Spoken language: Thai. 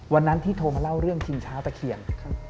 วันนั้นที่โทรมาเล่าเรื่องชิงช้าตะเคียน